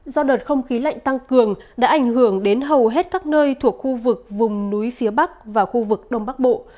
do đợt không khí lạnh tăng cường đã ảnh hưởng đến hầu hết các nơi thuộc khu vực vùng núi phía bắc và khu vực đông bắc bộ